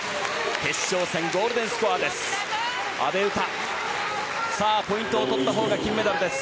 決勝戦、ゴールデンスコアです。